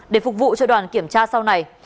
để phục vụ cho đoàn kiểm tra sau này